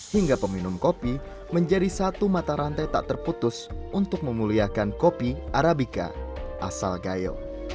hingga peminum kopi menjadi satu mata rantai tak terputus untuk memuliakan kopi arabica asal gayo